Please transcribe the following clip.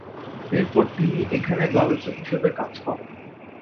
এরপর তিনি এখানে গবেষক হিসেবে কাজ করেন।